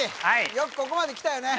よくここまできたよね